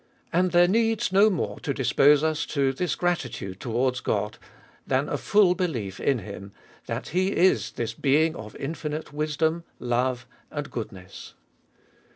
And there needs no more to dispose us to this gratitude towards God, than a full belief in him, that he is this being of infinite wisdom, love, and goodness.